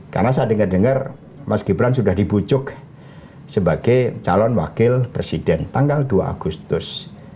karena saya dengar dengar mas gibran sudah dibujuk sebagai calon wakil presiden tanggal dua agustus